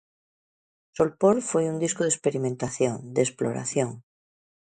Solpor foi un disco de experimentación, de exploración.